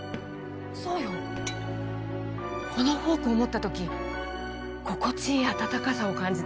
そうよこのフォークを持った時心地いい温かさを感じて